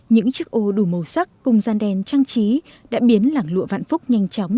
những chiếc ô đủ màu sắc cung gian đen trang trí đã biến làng lụa vạn phúc nhanh chóng